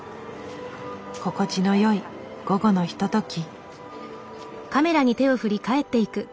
心地のよい午後のひととき。